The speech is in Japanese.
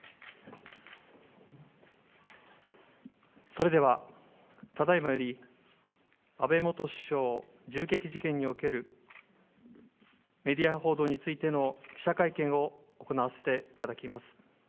それでは、ただ今より、安倍元首相銃撃事件におけるメディア報道についての記者会見を行わせていただきます。